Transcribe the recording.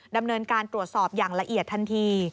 ดำเนินการตรวจสอบอย่างละเอียดทันที